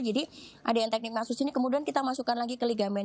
jadi ada yang teknik masuk sini kemudian kita masukkan lagi ke ligamen